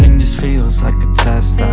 nggak mungkin mas nyimpen